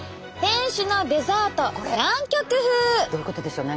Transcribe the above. これどういうことでしょうね。